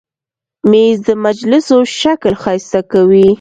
مېز د مجلسو شکل ښایسته کوي.